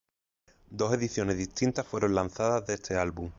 Dos ediciones distintas fueron lanzadas de este álbum.